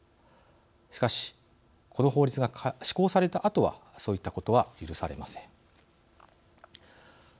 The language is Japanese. しかしこの法律が施行されたあとはそういったことは許されません。